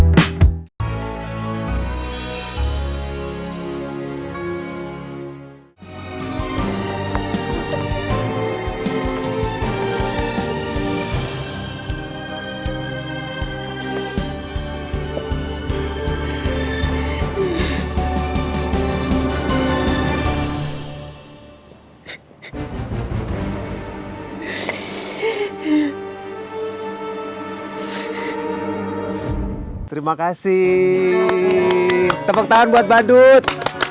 tepuk tangan buat badut